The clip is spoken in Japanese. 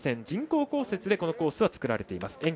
人工降雪でこのコースは作られています。